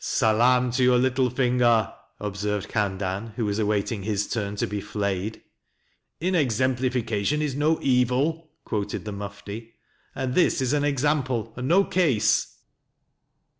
" Salaam to your little finger," observed Khandan, who was awaiting his turn to be flayed. " In exemplification is no evil," quoted the Mufti: "and this is an example and no case."